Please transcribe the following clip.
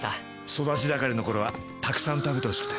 育ち盛りの頃はたくさん食べてほしくて。